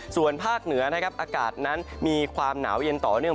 ส่วนภาคเหนือนะครับอากาศนั้นมีความหนาวเย็นต่อเนื่อง